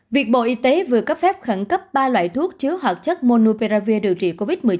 việc bộ y tế vừa cấp phép khẩn cấp ba loại thuốc chứa hoạt chất monuperavir điều trị covid một mươi chín